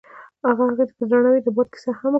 هغه هغې ته په درناوي د باد کیسه هم وکړه.